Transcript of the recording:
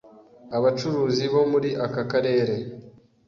abacuruzi bo muri aka karere